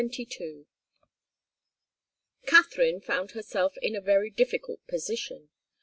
Katharine found herself in a very difficult position.